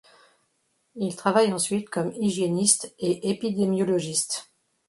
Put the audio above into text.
Il travaille ensuite comme hygiéniste et épidémiologiste.